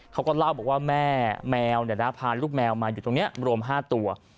เขาก็เล่าบอกว่าแม่แมวพาลูกแมวมาอยู่ตรงนี้รวม๕ตัว